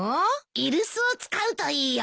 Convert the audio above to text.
居留守を使うといいよ。